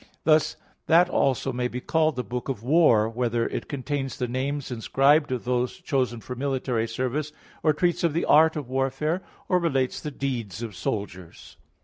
Thus that also may be called the book of war, whether it contains the names inscribed of those chosen for military service; or treats of the art of warfare, or relates the deeds of soldiers.